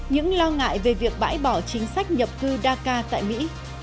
những lo ngại về việc bãi bỏ chính sách nhập cư dakar tại mỹ